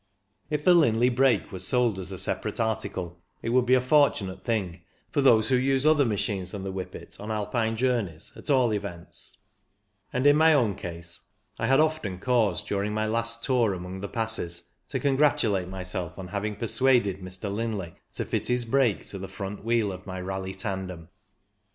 If the Linley brake were sold as a separate article, it would be a fortunate thing for those who use other machines than the Whippet, on Alpine journeys, at all events ; and in my own case I had often cause, during my last tour among the passes, to congratulate myself on having persuaded Mr. Linley to fit his brake to 230 CYCLING IN THE ALPS the front wheel of my Raleigh tandem.